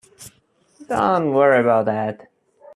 Don't worry about that.